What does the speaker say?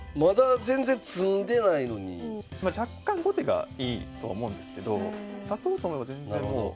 若干後手がいいと思うんですけど指そうと思えば全然もう。